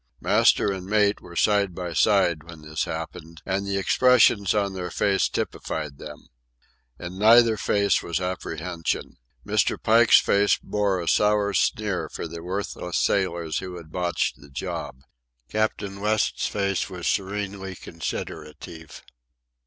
Master and mate were side by side when this happened, and the expressions on their faces typified them. In neither face was apprehension. Mr. Pike's face bore a sour sneer for the worthless sailors who had botched the job. Captain West's face was serenely considerative.